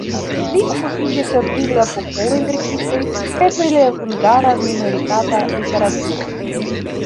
Li okupiĝis pri la popolaj verkistoj kaj pri la hungara minoritata literaturo.